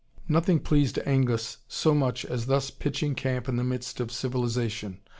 Nothing pleased Angus so much as thus pitching camp in the midst of civilisation.